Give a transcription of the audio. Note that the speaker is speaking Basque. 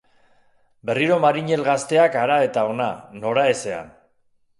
Berriro marinel gazteak hara eta hona, noraezean.